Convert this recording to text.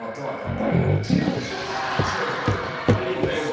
食べれるように。